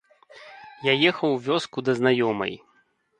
Я ехаў у вёску да знаёмай.